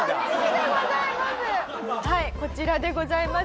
はいこちらでございます。